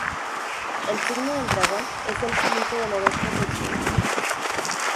El signo del Dragón es el quinto del horóscopo chino.